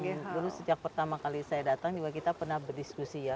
ya itu yang dulu sejak pertama kali saya datang juga kita pernah berdiskusi ya